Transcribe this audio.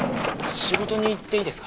仕事に行っていいですか？